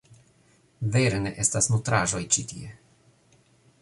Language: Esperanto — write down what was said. Vere ne estas nutraĵoj ĉi tie